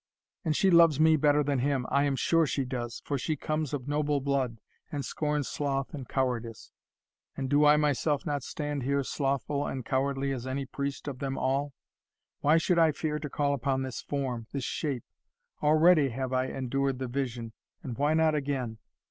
And she loves me better than him I am sure she does for she comes of noble blood, and scorns sloth and cowardice. And do I myself not stand here slothful and cowardly as any priest of them all? Why should I fear to call upon this form this shape? Already have I endured the vision, and why not again?